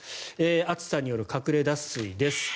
暑さによる隠れ脱水です。